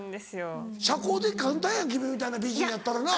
簡単やん君みたいな美人やったらな。